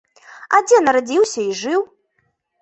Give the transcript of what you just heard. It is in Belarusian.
А дзе нарадзіўся і жыў?